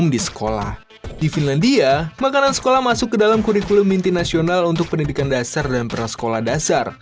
di finlandia makanan sekolah masuk ke dalam kurikulum mimpi nasional untuk pendidikan dasar dan prasekolah dasar